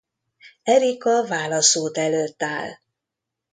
Erica válaszút előtt áll.